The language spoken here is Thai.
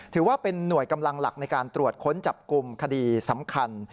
ถือว่าเป็นหน่วยกำลังหลักในการตรวจค้นจับกลุ่มคดีสำคัญ